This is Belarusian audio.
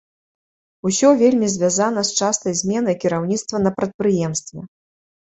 Усё вельмі звязана з частай зменай кіраўніцтва на прадпрыемстве.